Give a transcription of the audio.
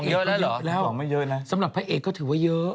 เยอะแล้วสำหรับพระเอกก็ถือว่าเยอะ